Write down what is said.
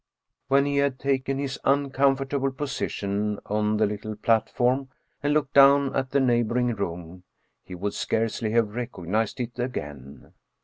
When he had taken his uncomfortable position on the little platform and looked down at the neighboring room, he would scarcely have recognized it again.